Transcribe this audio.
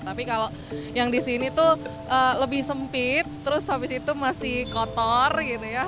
tapi kalau yang di sini itu lebih sempit terus habis itu masih kotor gitu ya